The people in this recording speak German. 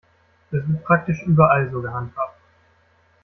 Das wird praktisch überall so gehandhabt.